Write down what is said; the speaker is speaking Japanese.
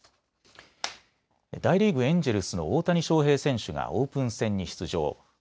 大リーグ、エンジェルスの大谷翔平選手がオープン戦に出場。